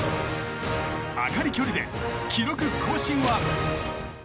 朱理距離で記録更新は？